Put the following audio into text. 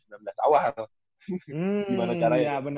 gimana caranya ya bener bener